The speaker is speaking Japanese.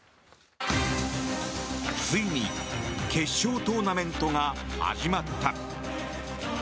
ついに決勝トーナメントが始まった。